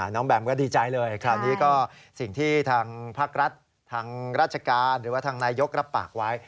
แบมก็ดีใจเลยคราวนี้ก็สิ่งที่ทางภาครัฐทางราชการหรือว่าทางนายยกรับปากไว้